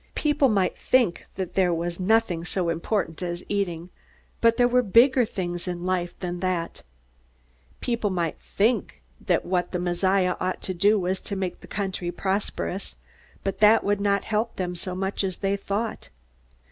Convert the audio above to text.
People might think that there was nothing so important as eating, but there were bigger things in life than that. People might think that what the Messiah ought to do was to make the country prosperous, but that would not help them so much as they thought.